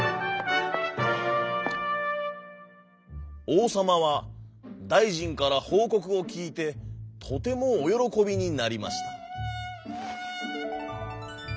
おうさまはだいじんからほうこくをきいてとてもおよろこびになりました。